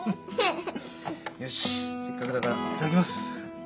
よしせっかくだからいただきます。